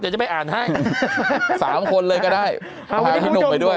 เดี๋ยวจะไปอ่านให้๓คนเลยก็ได้พาพี่หนุ่มไปด้วย